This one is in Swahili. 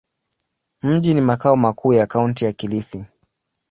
Mji ni makao makuu ya Kaunti ya Kilifi.